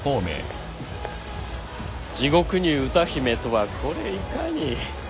地獄に歌姫とはこれいかに。